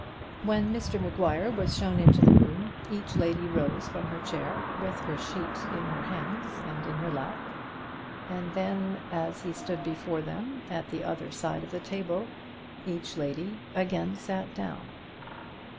When Mr Maguire was shown into the room each lady rose from her chair, with her sheet in her hands and in her lap, and then, as he stood before them, at the other side of the table, each lady again sat down.